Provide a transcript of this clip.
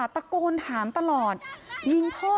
โชว์บ้านในพื้นที่เขารู้สึกยังไงกับเรื่องที่เกิดขึ้น